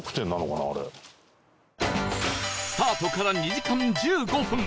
スタートから２時間１５分